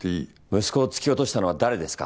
息子を突き落としたのは誰ですか？